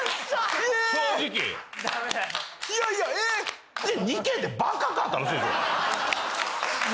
正直いやいやえっ？